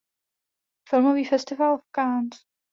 Filmový festival v Cannes.